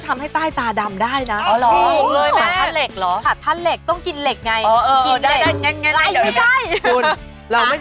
สานครานอาหารหรือเปล่า